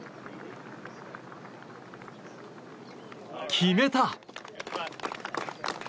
決めた！